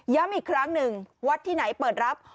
อีกครั้งหนึ่งวัดที่ไหนเปิดรับ